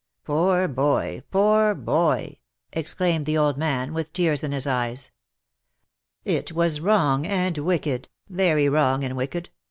" Poor boy! poor boy 1" exclaimed the old man, with tears in his eyes. " It was wrong and wicked, very wrong and wicked